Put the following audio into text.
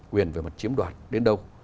quyền về mặt chiếm đoạt đến đâu